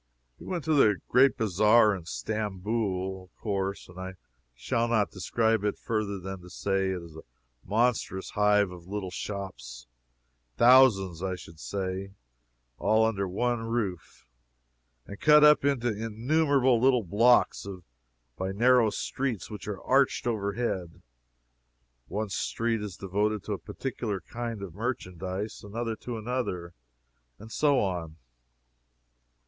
We went to the great Bazaar in Stamboul, of course, and I shall not describe it further than to say it is a monstrous hive of little shops thousands, I should say all under one roof, and cut up into innumerable little blocks by narrow streets which are arched overhead. One street is devoted to a particular kind of merchandise, another to another, and so on.